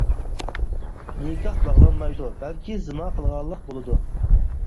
نىكاھ باغلانمايدۇ، بەلكى زىنا قىلغانلىق بولىدۇ.